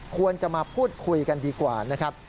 ควรจะมาพูดคุยกันดีกว่านะครับ